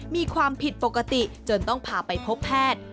มีความผิดปกติจนต้องพาไปพบแพทย์